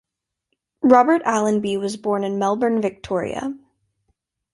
Robert Allenby was born in Melbourne, Victoria.